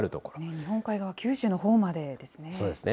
日本海側、九州のほうまでですね。